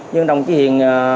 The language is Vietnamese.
nhưng đồng chí hiền